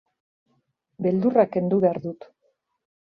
Beldurra kendu behar dut.